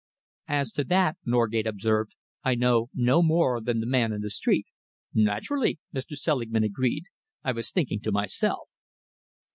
"As to that," Norgate observed, "I know no more than the man in the street." "Naturally," Mr. Selingman agreed. "I was thinking to myself."